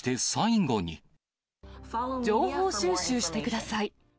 情報収集してください。